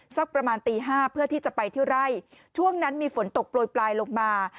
สักประมาณตีห้าเพื่อที่จะไปที่ไร่ช่วงนั้นมีฝนตกโปรยปลายลงมา